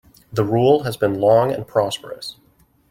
The rule has been long and prosperous.